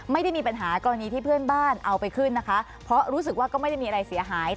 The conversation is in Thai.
ไม่ได้มีปัญหากรณีที่เพื่อนบ้านเอาไปขึ้นนะคะเพราะรู้สึกว่าก็ไม่ได้มีอะไรเสียหาย